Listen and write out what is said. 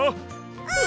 うん！